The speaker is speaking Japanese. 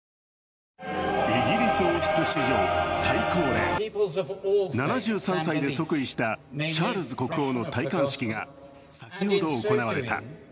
イギリス王室史上最高齢、７３歳で即位したチャールズ国王の戴冠式が先ほど行われた。